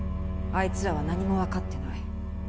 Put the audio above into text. あいつらは何もわかってない。